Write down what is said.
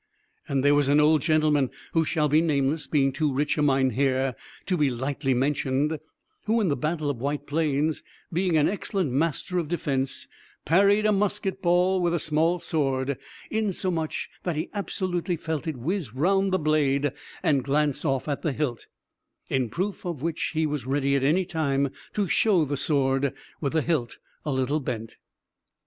And there was an old gentleman who shall be nameless, being too rich a mynheer to be lightly mentioned, who, in the battle of White Plains, being an excellent master of defense, parried a musket ball with a small sword, insomuch that he absolutely felt it whiz round the blade and glance off at the hilt; in proof of which he was ready at any time to show the sword, with the hilt a little bent.